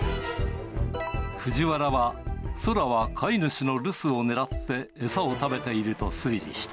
藤原は宙は飼い主の留守を狙って餌を食べていると推理した。